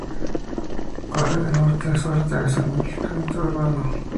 Corre de norte a sur atravesando el centro urbano.